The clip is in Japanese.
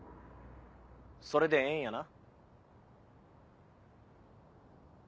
それでええんやな？